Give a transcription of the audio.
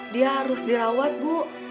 dia harus dirawat bu